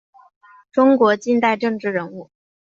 中国近代政治人物。